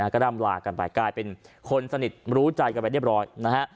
ก็ร่ำลากันไปกลายเป็นคนสนิทรู้ใจกันไปเรียบร้อยนะฮะ